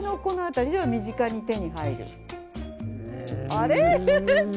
あれ？